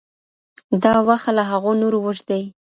دا واښه له هغو نورو وچ دي.